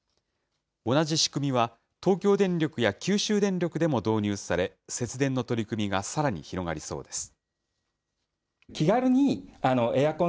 同じ仕組みは、東京電力や九州電力でも導入され、節電の取り組みがさらに広がりそうです。